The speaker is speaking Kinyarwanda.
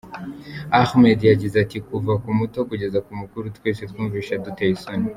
Ahmed yagize ati “Kuva ku muto kugeza ku mukuru, twese twumvise aduteye isoni.